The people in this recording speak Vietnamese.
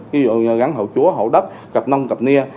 ví dụ rắn hậu chúa hậu đất cặp nông cặp nia